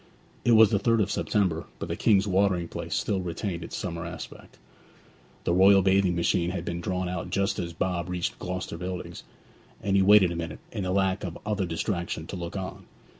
It was the 3rd of September, but the King's watering place still retained its summer aspect. The royal bathing machine had been drawn out just as Bob reached Gloucester Buildings, and he waited a minute, in the lack of other distraction, to look on.